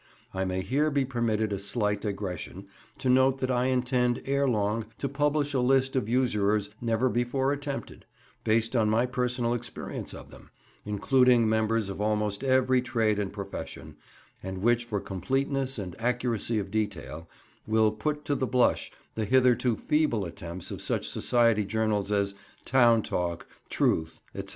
(I may here be permitted a slight digression to note that I intend ere long to publish a list of usurers never before attempted, based on my personal experience of them, including members of almost every trade and profession, and which for completeness and accuracy of detail will put to the blush the hitherto feeble attempts of such society journals as Town Talk, Truth, &c.)